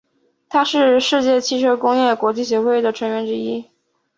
它是世界汽车工业国际协会的成员之一。